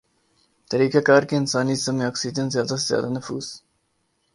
طریقہ کار کے انسانی جسم میں آکسیجن زیادہ سے زیادہ نفوذ